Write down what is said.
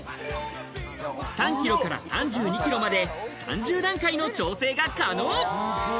３キロから３２キロまで３０段階の調整が可能。